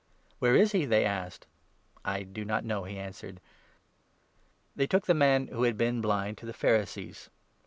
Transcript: " Where is he ?" they asked. 12 " I do not know," he answered. They took the man, who had been blind, to the Pharisees.